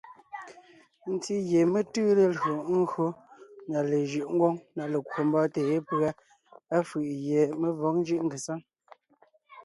Ntí gie mé tʉʉ lelÿò ńgÿo na lejʉ̌ʼ ngwóŋ na lekwò mbɔ́ɔntè yépʉ́a, á fʉ̀ʼ gie mé vɔ̌g ńjʉ́ʼ ngesáŋ.